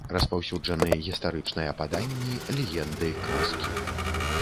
Распаўсюджаны гістарычныя паданні, легенды, казкі.